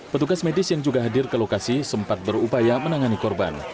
petugas medis yang juga hadir ke lokasi sempat berupaya menangani korban